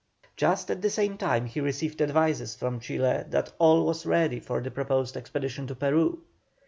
Just at the same time he received advices from Chile that all was ready for the proposed expedition to Peru.